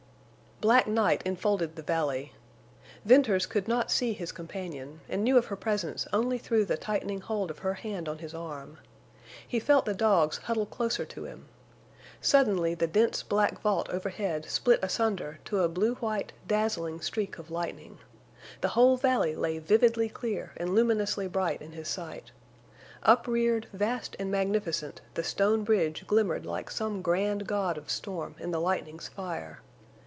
Black night enfolded the valley. Venters could not see his companion, and knew of her presence only through the tightening hold of her hand on his arm. He felt the dogs huddle closer to him. Suddenly the dense, black vault overhead split asunder to a blue white, dazzling streak of lightning. The whole valley lay vividly clear and luminously bright in his sight. Upreared, vast and magnificent, the stone bridge glimmered like some grand god of storm in the lightning's fire.